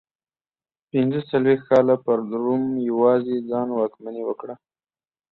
پنځه څلوېښت کاله پر روم په یوازې ځان واکمني وکړه